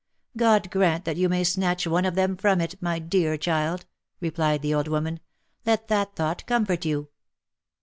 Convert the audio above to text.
" God grant that you may snatch one of them from it, my dear child," replied the old woman ; li let that thought comfort you."